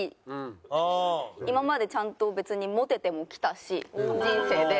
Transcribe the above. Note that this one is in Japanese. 今までちゃんと別にモテてもきたし人生で。